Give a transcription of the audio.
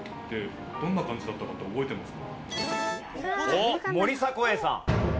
おっ森迫永依さん。